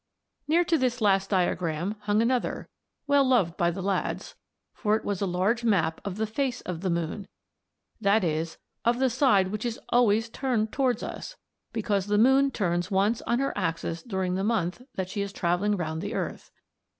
] Near to this last diagram hung another, well loved by the lads, for it was a large map of the face of the moon, that is of the side which is always turned towards us, because the moon turns once on her axis during the month that she is travelling round the earth.